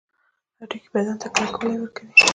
هډوکي بدن ته کلکوالی ورکوي